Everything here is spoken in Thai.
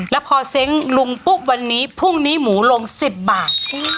แล้วพอเซ้งลุงปุ๊บวันนี้พรุ่งนี้หมูลง๑๐บาท